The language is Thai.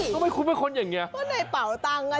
ทำไมคุณเป็นคนแบบนี้